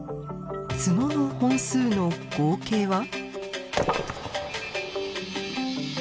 角の本数の合計は？